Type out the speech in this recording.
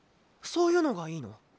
そういうのがいいの？